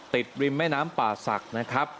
ริมแม่น้ำป่าศักดิ์นะครับ